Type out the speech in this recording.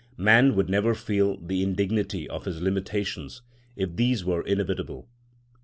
Man would never feel the indignity of his limitations if these were inevitable.